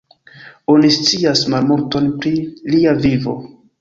Oni scias malmulton pri lia vivo.